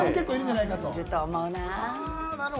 いると思うな。